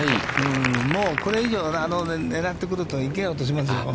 もうこれ以上、狙ってくると、池に落としますよ。